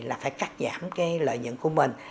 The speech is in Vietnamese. là phải cắt giảm lợi nhận của mình